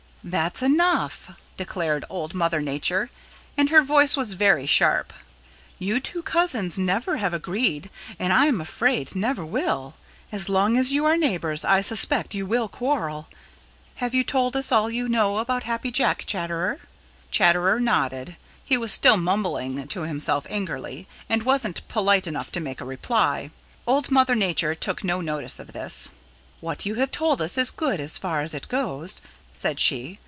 "That's enough," declared Old Mother Nature, and her voice was very sharp. "You two cousins never have agreed and I am afraid never will. As long as you are neighbors, I suspect you will quarrel. Have you told us all you know about Happy Jack, Chatterer?" Chatterer nodded. He was still mumbling to himself angrily and wasn't polite enough to make a reply. Old Mother Nature took no notice of this. "What you have told us is good as far as it goes," said she.